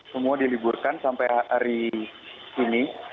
semua diliburkan sampai hari ini